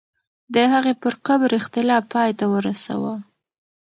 د هغې پر قبر اختلاف پای ته ورسوه.